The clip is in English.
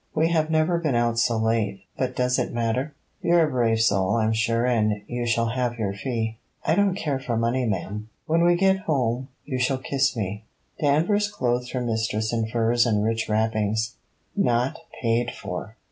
We have never been out so late: but does it matter? You're a brave soul, I'm sure, and you shall have your fee.' 'I don't care for money, ma'am.' 'When we get home you shall kiss me.' Danvers clothed her mistress in furs and rich wrappings: Not paid for!